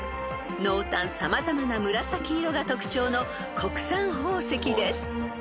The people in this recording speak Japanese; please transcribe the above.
［濃淡様々な紫色が特徴の国産宝石です］